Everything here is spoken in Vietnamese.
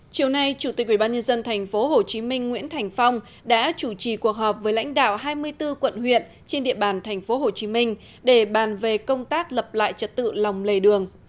chiều nay chủ tịch ubnd tp hcm nguyễn thành phong đã chủ trì cuộc họp với lãnh đạo hai mươi bốn quận huyện trên địa bàn tp hcm để bàn về công tác lập lại trật tự lòng lề đường